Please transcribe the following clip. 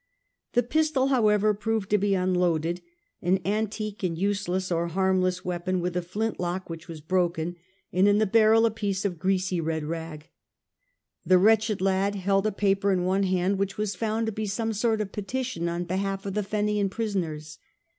The pistol, however, proved to be un loaded — an antique and useless or harmless weapon, with a flint lock which was broken, and in the barrel VOL. I. M 162 A HISTORY OF OUR OWN TIMES. CH. YU. a piece of greasy red rag. The wretched lad held a paper in one hand which was found to be some sort of petition on behalf of the Fenian prisoners.